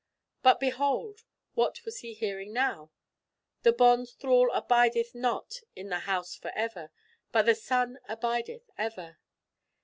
But behold, what was he hearing now? "The bond thrall abideth not in the house for ever, but the Son abideth ever.